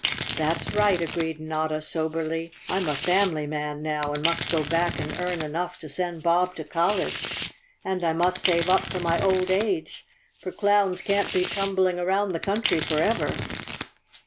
" That's right," agreed Notta soberly. " I'm a family man now and must go back and earn enough to send Bob to college, and I must save up for my old age, for clowns can't be tumbling around the country forever."